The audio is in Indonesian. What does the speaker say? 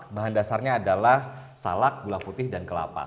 bahan dasarnya adalah salak gula putih dan kelapa